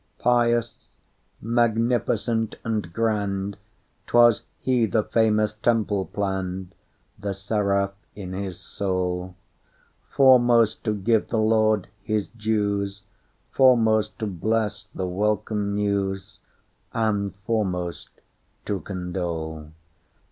Pious—magnificent and grand,'Twas he the famous temple plann'd,(The seraph in his soul:)Foremost to give the Lord his dues, Foremost to bless the welcome news, And foremost to condole.